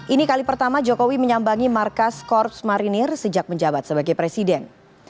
ini kali pertama jokowi menyambangi markas korps marinir sejak menjabat sebagai presiden